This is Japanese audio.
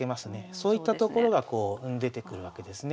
そういったところがこう出てくるわけですね。